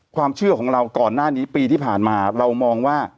ความเชื่อของเราก่อนหน้านี้ปีที่ผ่านมาเรามองว่า